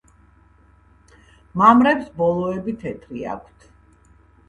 მამრებს ბოლოები თეთრი აქვთ.